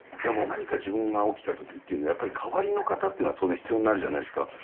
何か自分が起きたときっていうのは、代わりの方っていうのは当然必要になるじゃないですか。